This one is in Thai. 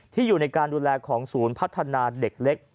อยู่ในการดูแลของศูนย์พัฒนาเด็กเล็ก